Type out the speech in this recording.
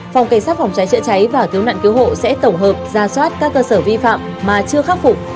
phòng cảnh sát phòng cháy chữa cháy và cứu nạn cứu hộ sẽ tổng hợp ra soát các cơ sở vi phạm mà chưa khắc phục